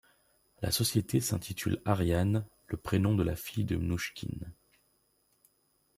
La société s'intitule Ariane, le prénom de la fille de Mnouchkine.